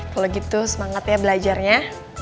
kalo gitu semangat ya belajarnya